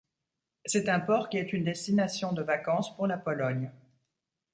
C'est un port qui est une destination de vacances pour la Pologne.